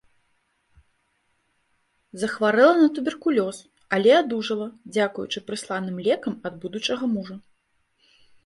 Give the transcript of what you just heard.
Захварэла на туберкулёз, але адужала дзякуючы прысланым лекам ад будучага мужа.